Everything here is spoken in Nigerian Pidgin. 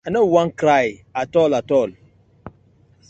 I no won cry atol atol.